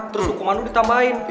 terus hukuman lu ditambahin